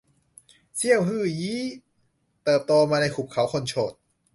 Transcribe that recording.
เซียวฮื่อยี้ เติบโตมาในหุบเขาคนโฉด